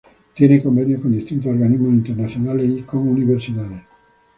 Tiene convenios con distintos organismos internacionales, y con universidades.